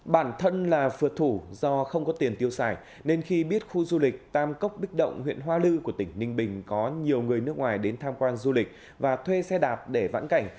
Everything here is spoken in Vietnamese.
bản thân là phượt thủ do không có tiền tiêu xài nên khi biết khu du lịch tam cốc bích động huyện hoa lư của tỉnh ninh bình có nhiều người nước ngoài đến tham quan du lịch và thuê xe đạp để vãn cảnh